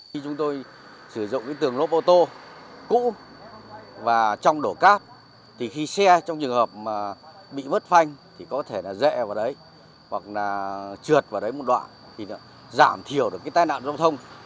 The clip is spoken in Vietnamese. khi chúng tôi sử dụng tường lốp ô tô cũ và trong đổ cát thì khi xe trong trường hợp bị vứt phanh thì có thể dẹ vào đấy hoặc là trượt vào đấy một đoạn thì giảm thiểu được cái tai nạn giao thông